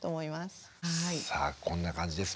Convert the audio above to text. さあこんな感じです。